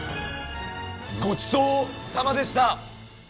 ごちそうさまでした。